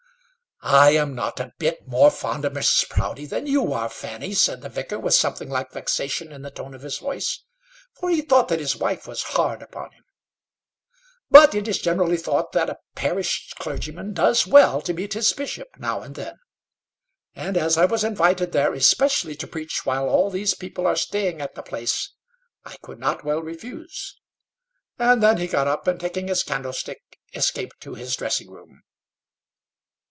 "I am not a bit more fond of Mrs. Proudie than you are, Fanny," said the vicar, with something like vexation in the tone of his voice, for he thought that his wife was hard upon him. "But it is generally thought that a parish clergyman does well to meet his bishop now and then. And as I was invited there, especially to preach while all these people are staying at the place, I could not well refuse." And then he got up, and taking his candlestick, escaped to his dressing room.